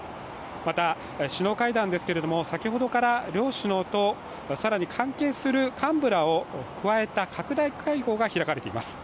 また、首脳会談ですけれども、先ほどから両首脳と更に関係する幹部らを加えた拡大会合が開かれています。